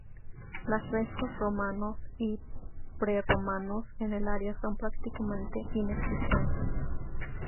Las restos romanos y prerromanos en el área son prácticamente inexistentes.